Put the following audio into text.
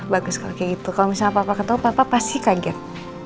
bagus kalau kayak gitu kalau misalnya papa ketemu papa pasti kaget